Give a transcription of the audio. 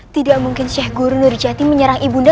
tidak mungkin seh guru nurjati menyerang ibu nia